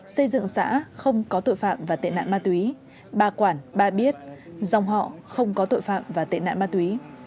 xây dựng xã không có tội phạm và tệ nạn ma túy ba quản ba biết dòng họ không có tội phạm và tệ nạn ma túy